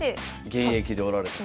現役でおられたと。